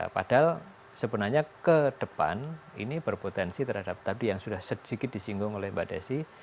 padahal sebenarnya ke depan ini berpotensi terhadap tadi yang sudah sedikit disinggung oleh mbak desi